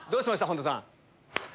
本田さん。